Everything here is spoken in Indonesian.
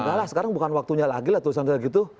enggak lah sekarang bukan waktunya lagi lah tulisan saya gitu